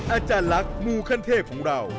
อาจารย์ลักษณ์มูขั้นเทพของเรา